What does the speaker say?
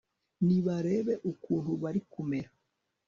nibarebe ukuntu bari kumera